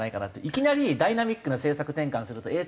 いきなりダイナミックな政策転換するとえっ？